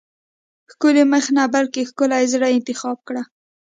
ښکلی مخ نه بلکې ښکلي زړه انتخاب کړه.